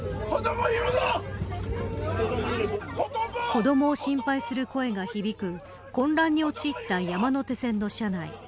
子どもを心配する声が響く混乱に陥った山手線の車内。